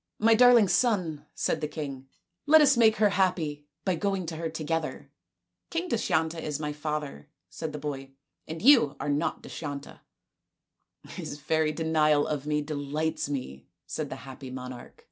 " My darling son," said the king, " let us make her happy by going to her together." " King Dushyanta is my father," said the boy, " and you are not Dushyanta." " His very denial of me delights me," said the happy monarch.